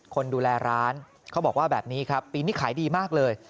คนดูแลร้านเขาบอกว่าแบบนี้ครับปีนี้ขายดีมากเลย